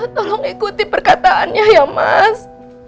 tolong ikuti perkataannya ya mas